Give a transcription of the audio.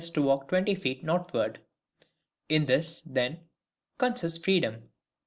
to walk twenty feet northward. In this, then, consists FREEDOM, viz.